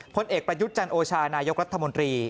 ผลเอกประยุทธ์จันโอชานายกรัฐมนตรี